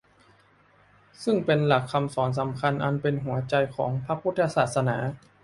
ซึ่งเป็นหลักคำสอนสำคัญอันเป็นหัวใจของพระพุทธศาสนา